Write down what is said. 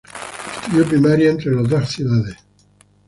Estudio primario entre las dos ciudades.